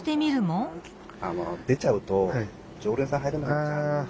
出ちゃうと常連さん入れなくなっちゃう。